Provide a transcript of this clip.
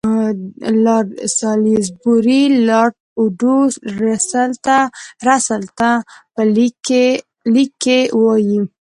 لارډ سالیزبوري لارډ اوډو رسل ته په لیک کې وایي.